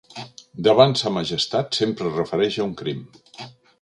Davant sa majestat sempre es refereix a un crim.